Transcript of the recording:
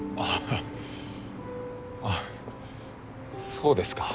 あそうですか。